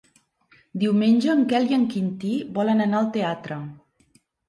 Diumenge en Quel i en Quintí volen anar al teatre.